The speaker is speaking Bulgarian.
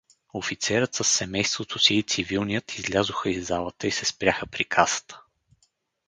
Офицерът със семейството си и цивилният излязоха из залата и се спряха при касата.